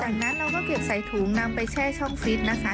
จากนั้นเราก็เก็บใส่ถุงนำไปแช่ช่องฟิตนะคะ